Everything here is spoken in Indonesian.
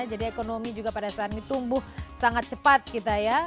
jadi ekonomi juga pada saat ini tumbuh sangat cepat kita ya